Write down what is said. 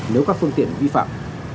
nếu các phương tiện vi phạm